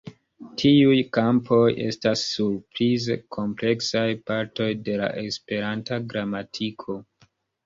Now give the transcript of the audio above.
Tiuj kampoj estas surprize kompleksaj partoj de la Esperanta gramatiko.